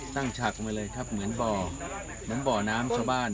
ตั้งฉากไว้เลยครับเหมือนบ่อน้ำชะบาน